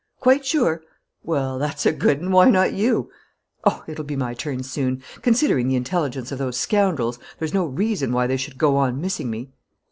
"Quite sure?" "Well, that's a good 'un! Why not you?" "Oh, it'll be my turn soon! Considering the intelligence of those scoundrels, there's no reason why they should go on missing me."